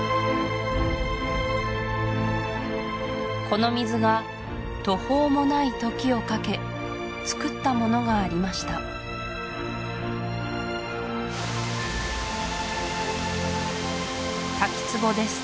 この水が途方もない時をかけつくったものがありました滝つぼです